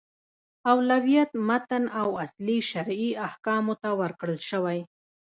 اولویت متن او اصلي شرعي احکامو ته ورکړل شوی.